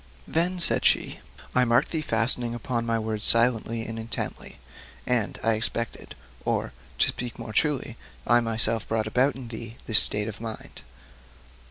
Then said she: 'I marked thee fastening upon my words silently and intently, and I expected, or to speak more truly I myself brought about in thee, this state of mind.